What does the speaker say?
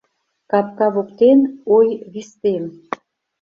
Капка воктен, ой, вистем